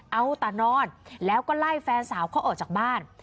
เอาแต่นอนแล้วก็ไล่แฟนสาวเขาออกจากบ้าน